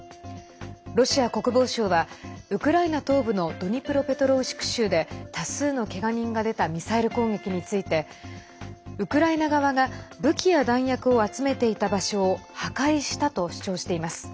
ロシア国防省はウクライナ東部のドニプロペトロウシク州で多数のけが人が出たミサイル攻撃についてウクライナ側が武器や弾薬を集めていた場所を破壊したと主張しています。